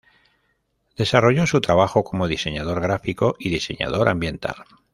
Desarrolló su trabajo como diseñador gráfico y diseñador ambiental.